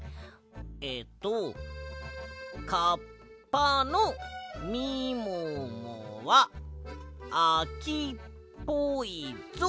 えっと「カッパのみももはあきっぽいぞ。